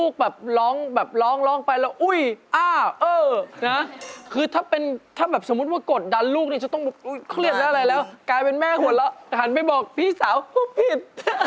คลันไปบอกพี่สาวผู้ผิด